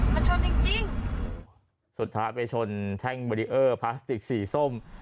มันชนจริงจริงสุดท้ายไปชนแท่งเบรีเออร์พลาสติกสีส้ม